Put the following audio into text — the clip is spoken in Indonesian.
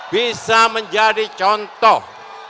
bisa menjadi contoh